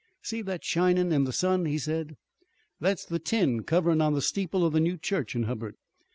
"See that shinin' in the sun," he said. "That's the tin coverin' on the steeple of the new church in Hubbard.